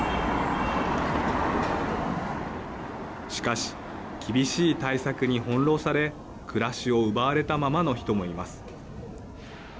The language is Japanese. しかし厳しい対策に翻弄され暮らしを奪われたままの人もいます。